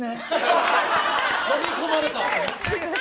のみ込まれた！